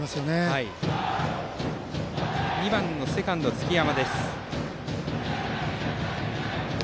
バッターは２番セカンド、月山。